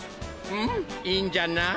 うんいいんじゃない？